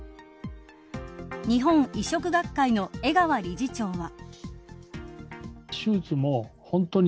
日本移植学会の江川理事長は。